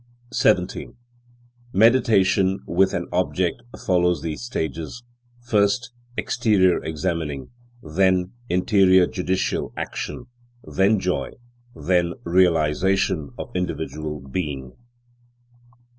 17. Meditation with an object follows these stages: first, exterior examining, then interior judicial action, then joy, then realization of individual being.